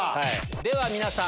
では皆さん